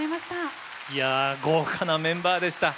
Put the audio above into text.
いや豪華なメンバーでした。